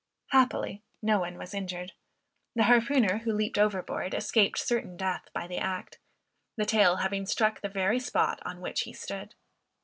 Happily no one was injured. The harpooner who leaped overboard, escaped certain death by the act, the tail having struck the very spot on which he stood.